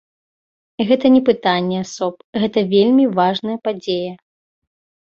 Гэта не пытанне асоб, гэта вельмі важная падзея.